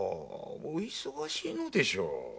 お忙しいのでしょう。